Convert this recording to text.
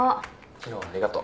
昨日はありがとう。